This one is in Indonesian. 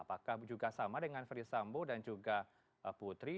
apakah juga sama dengan ferry sambo dan juga putri